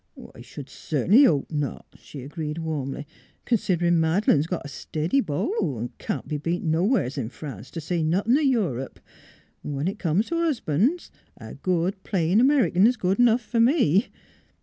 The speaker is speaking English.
" I sh'd cert'nly hope not," she agreed warmly, " considerin' Mad'lane's got a stiddy beau 'at can't be beat nowheres in France, t' say nothin' o' Europe. ... When it comes t' husban's, a good, plain American is good enough fer me.